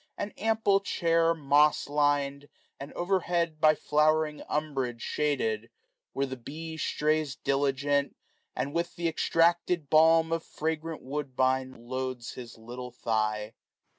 An ample chair moss lin'd, and over head 625 By flowering umbrage shaded ; where the bee Strays diligent, and with th' extracted balm Of fragrant woodbine loads his little thigh.